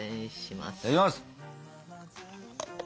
いただきます！